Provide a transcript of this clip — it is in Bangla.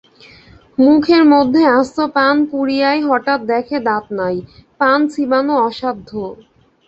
মুখের মধ্যে আস্ত পান পুরিয়াই হঠাৎ দেখে, দাঁত নাই, পান চিবানো অসাধ্য।